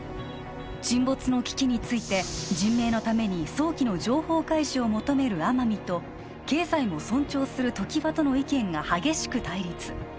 沈没の危機について人命のために早期の情報開示を求める天海と経済も尊重する常盤との意見が激しく対立